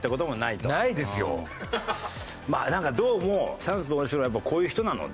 なんかどうもチャンス大城はやっぱこういう人なので。